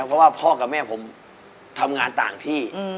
เพราะว่าพ่อกับแม่ผมทำงานต่างที่